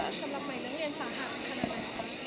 สำหรับใหม่นักเรียนสาหัสขนาดไหน